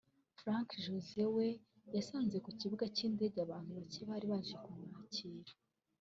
Frankie Joe we yasanze ku kibuga cy’indege abantu bake bari baje kumwakira